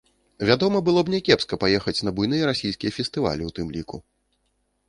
Вядома, было б някепска паехаць на буйныя расійскія фестывалі ў тым ліку.